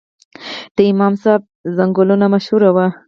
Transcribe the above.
د امام صاحب ځنګلونه مشهور وو